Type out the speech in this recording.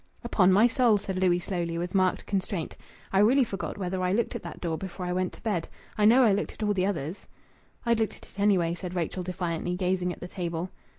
"Upon my soul!" said Louis slowly, with marked constraint. "I really forget whether I looked at that door before I went to bed. I know I looked at all the others." "I'd looked at it, anyway," said Rachel defiantly, gazing at the table.